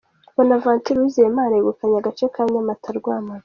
Bonaventure Uwizeyimana yegukanye agace ka Nyamata- Rwamagana.